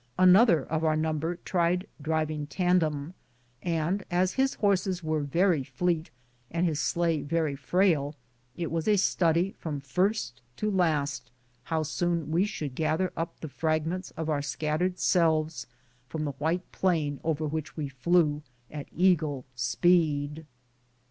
Another of our number tried driving tandem ; and as his horses were very fleet and his sleigh very frail, it was a study from first to last how soon we should gather up the fragments of our scattered selves from the white plain over which w^e flew at eagle speed.